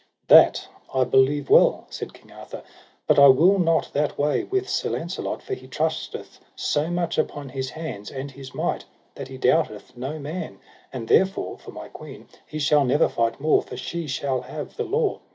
That I believe well, said King Arthur, but I will not that way with Sir Launcelot, for he trusteth so much upon his hands and his might that he doubteth no man; and therefore for my queen he shall never fight more, for she shall have the law.